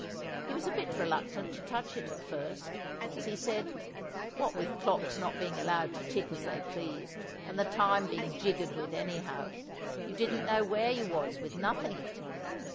He was a bit reluctant to touch it at first; as he said, what with clocks not being allowed to tick as they pleased, and the time being jiggered with anyhow, you didn't know where you was with nothing.